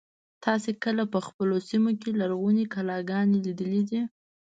تاسې کله په خپلو سیمو کې لرغونې کلاګانې لیدلي دي.